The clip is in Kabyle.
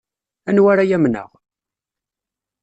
Anwa ara amneɣ?